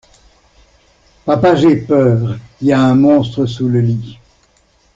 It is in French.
Papa j'ai peur, y a un monstre sous le lit.